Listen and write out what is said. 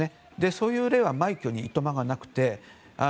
そういう例は枚挙にいとまがなくて。